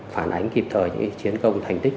phản ánh kịp thời những chiến công thành tích